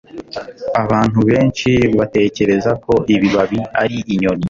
abantu benshi batekereza ko ibibabi ari inyoni